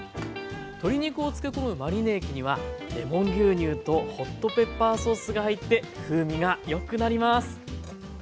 鶏肉を漬け込むマリネ液にはレモン牛乳とホットペッパーソースが入って風味がよくなります。